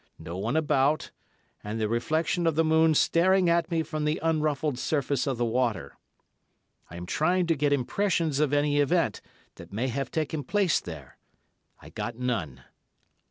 No one about, and the reflection of the moon staring at me from the unruffled surface of the water. I am trying to get impressions of any event that may have taken place there. I got none.